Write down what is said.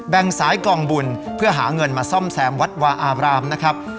สายกองบุญเพื่อหาเงินมาซ่อมแซมวัดวาอาบรามนะครับ